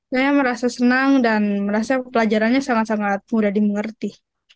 saya merasa senang dan merasa pelajarannya sangat sangat mudah dimengerti